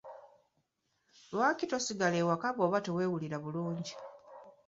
Lwaki tosigala ewaka bw'oba teweewulira bulungi?